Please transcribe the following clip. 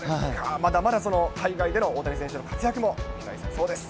まだまだ海外での大谷選手の活躍も期待できそうです。